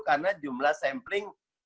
karena jumlah sampling